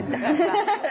ハハハハハ。